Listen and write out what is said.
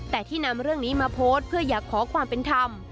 แต่ที่นำเรื่องนี้มาโพสต์เพื่ออยากขอความเป็นธรรม